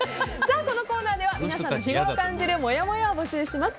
このコーナーでは皆さんが日ごろ感じるもやもやを募集します。